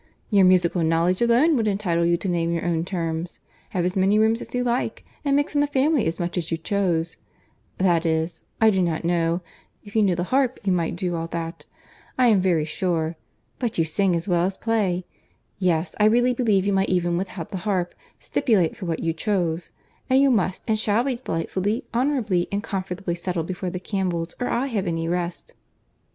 Your musical knowledge alone would entitle you to name your own terms, have as many rooms as you like, and mix in the family as much as you chose;—that is—I do not know—if you knew the harp, you might do all that, I am very sure; but you sing as well as play;—yes, I really believe you might, even without the harp, stipulate for what you chose;—and you must and shall be delightfully, honourably and comfortably settled before the Campbells or I have any rest."